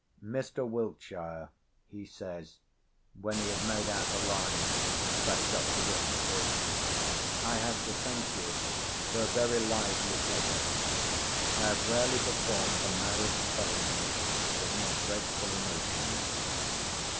"Mr. Wiltshire," he says, when he had made out the lines and packed off the witnesses, "I have to thank you for a very lively pleasure. I have rarely performed the marriage ceremony with more grateful emotions."